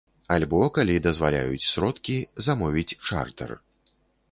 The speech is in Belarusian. Альбо, калі дазваляюць сродкі, замовіць чартэр.